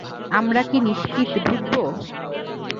আমরা কি নিশ্চিত ঢুকব?